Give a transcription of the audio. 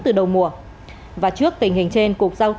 từ đầu mùa và trước tình hình trên